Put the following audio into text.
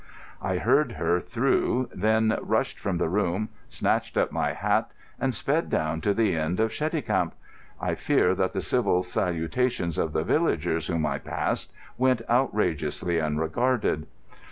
I heard her through, then rushed from the room, snatched up my hat, and sped down to the inn of Cheticamp. I fear that the civil salutations of the villagers whom I passed went outrageously unregarded.